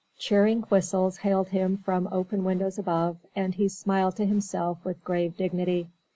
Cheering whistles hailed him from open windows above, and he smiled to himself with grave dignity.